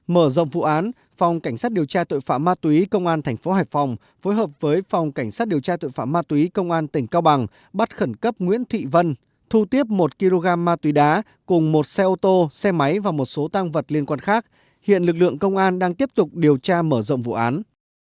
mở rộng vụ án phòng cảnh sát điều tra tội phạm ma túy công an thành phố hải phòng phối hợp với phòng cảnh sát điều tra tội phạm ma túy công an tỉnh cao bằng bắt khẩn cấp nguyễn thị vân thu tiếp một kg ma túy đá cùng một xe ô tô xe máy và một số tăng vật liên quan khác hiện lực lượng công an đang tiếp tục điều tra mở rộng vụ án